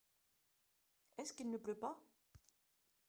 Est-ce qu'il ne pleut pas ?